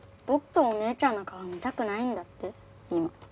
僕とお姉ちゃんの顔見たくないんだって今。